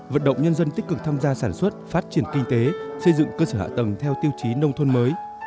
vận động nhân dân tích cực tham gia sản xuất phát triển kinh tế xây dựng cơ sở hạ tầng theo tiêu chí nông thôn mới